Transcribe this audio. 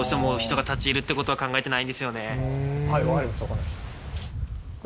はいわかりましたわかりました。